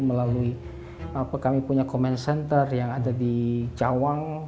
melalui kami punya comment center yang ada di cawang